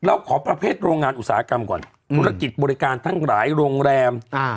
เราขอประเภทโรงงานอุตสาหกรรมก่อนธุรกิจบริการทั้งหลายโรงแรมอ่า